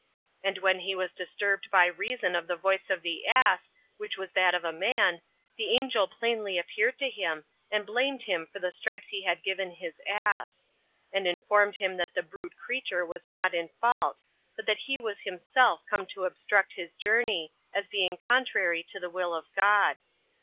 And when he was disturbed by reason of the voice of the ass, which was that of a man, the angel plainly appeared to him, and blamed him for the stripes he had given his ass; and informed him that the brute creature was not in fault, but that he was himself come to obstruct his journey, as being contrary to the will of God.